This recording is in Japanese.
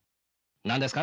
何ですか？